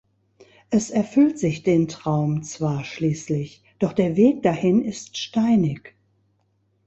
Es erfüllt sich den Traum zwar schließlich, doch der Weg dahin ist steinig.